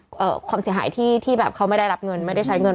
ความเสียหายที่ที่แบบเขาไม่ได้รับเงินไม่ได้ใช้เงิน